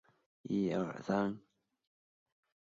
在场上司职右后卫。